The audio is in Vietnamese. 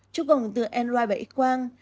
chụp ống từ n ride và x quang